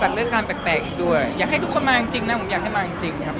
ซัตเลิระค้างแบบอย่างที่คนมาจริงนะครับให้มาจริงครับผม